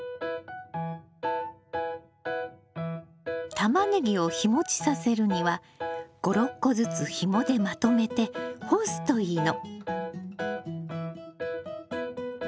タマネギを日もちさせるには５６個ずつひもでまとめて干すといいの。